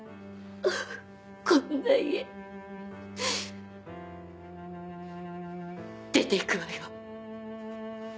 こんな家出て行くわよ